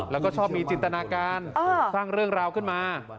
แล้วก็ชอบมีจินตนาการสร้างเรื่องราวขึ้นมา